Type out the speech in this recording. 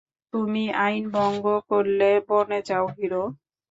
তুমি আইনভঙ্গ করলে বনে যাও হিরো।